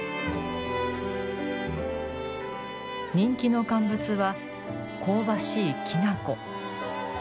人気の乾物は、香ばしいきな粉。